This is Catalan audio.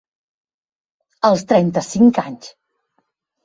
Als trenta-cinc anys!